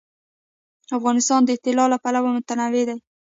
افغانستان د طلا له پلوه متنوع دی.